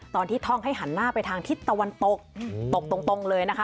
ตอนที่ท่องให้หันหน้าไปทางทิศตะวันตกอืมตกตรงตรงเลยนะคะ